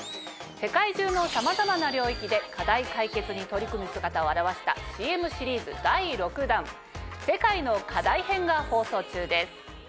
世界中のさまざまな領域で課題解決に取り組む姿を表したＣＭシリーズ第６弾世界の課題編が放送中です。